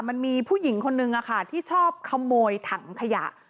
มันมีผู้หญิงคนนึงที่ชอบขโมยถังขยะ